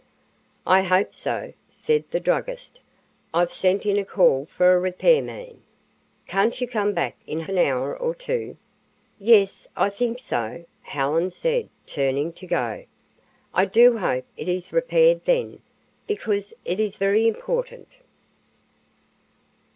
"I hope so," said the druggist. "I've sent in a call for a repair man. Can't you come back in an hour or two?" "Yes, I think so," Helen said, turning to go. "I do hope it is repaired then, because it's very important."